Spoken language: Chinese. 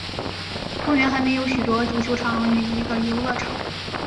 公园还设有许多足球场与一个游乐场。